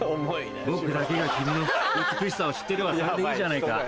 僕だけが君の美しさを知ってればそれでいいじゃないか。